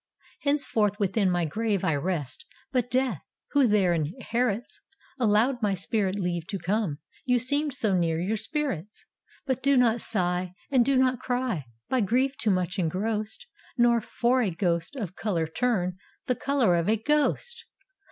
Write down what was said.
" Henceforth within my grave I rest, But Death, who there inherits, Allowed my spirit leave to come, You seemed so near your spirits: But do not sigh, and do not ciy. By grief too much engrossed. Nor for a ghost of color turn The color of a ghost!